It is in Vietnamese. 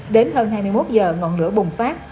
đến hơn hai mươi một h ngọn lửa bùng phát